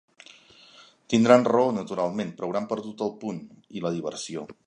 Tindran raó, naturalment, però hauran perdut el punt, i la diversió.